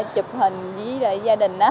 chụp hình với gia đình